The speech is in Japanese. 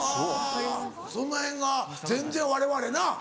そのへんが全然われわれな。